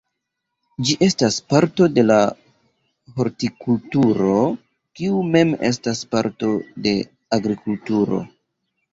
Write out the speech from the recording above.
Ĝi estas parto de hortikulturo, kiu mem estas parto de agrikulturo.